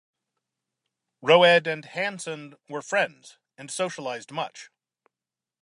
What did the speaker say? Roed and Hansen were friends, and socialized much.